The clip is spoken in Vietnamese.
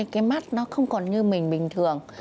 cái mắt nó không còn như mình bình thường